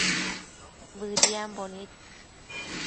Bëdiambo nid